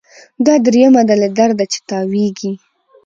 دا دریمه ده له درده چي تاویږي